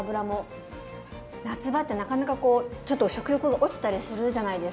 夏場ってなかなかこうちょっと食欲が落ちたりするじゃないですか。